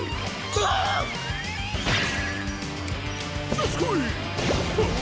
どすこい！